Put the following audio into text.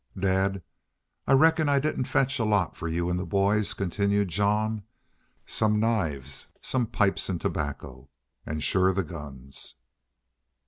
"Dad, I reckon I didn't fetch a lot for you an' the boys," continued Jean. "Some knives, some pipes an' tobacco. An' sure the guns."